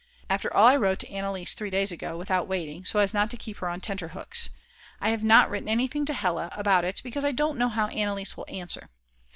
After all I wrote to Anneliese three days ago, without waiting, so as not to keep her on tenterhooks. I have not written anything to Hella about it because I don't know how Anneliese will answer.